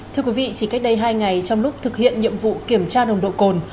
thưa quý vị chỉ cách đây hai ngày trong lúc thực hiện nhiệm vụ kiểm tra nồng độ cồn